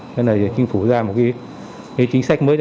nên là chính phủ ra một cái chính sách mới